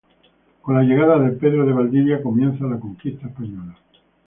Con la llegada de Pedro de Valdivia comienza la conquista española.